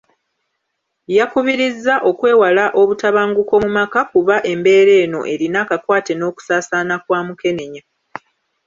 Yabakubirizza okwewala obutabanguko mu maka kuba embeera eno erina akakwate n’okusaasaana kwa Mukenenya.